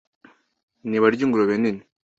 Ni barye ingurube nini